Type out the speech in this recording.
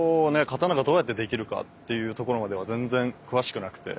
刀がどうやってできるかっていうところまでは全然詳しくなくて。